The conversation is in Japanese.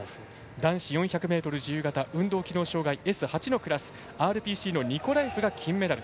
男子４００ｍ自由形運動機能障がいＳ８のクラスＲＰＣのニコラエフが金メダル。